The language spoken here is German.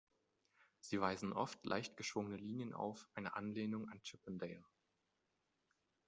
Sie weisen oft leicht geschwungene Linien auf, eine Anlehnung an Chippendale.